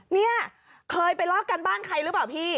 เนี่ยเคยไปรอบการบ้านใครหรือเปล่าพี่